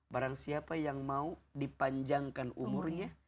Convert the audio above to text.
barang siapa yang mau dipanjangkan umurnya